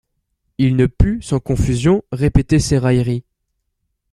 Il ne put, sans confusion, répéter ses railleries.